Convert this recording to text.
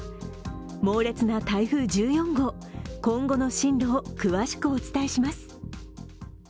猛烈な台風１４号、今後の進路を詳しくお伝えします。